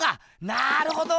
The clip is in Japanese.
なるほど！